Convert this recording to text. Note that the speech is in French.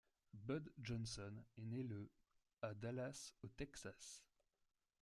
Budd Johnson est né le à Dallas au Texas.